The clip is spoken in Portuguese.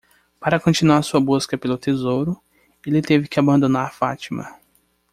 Para continuar sua busca pelo tesouro, ele teve que abandonar Fátima.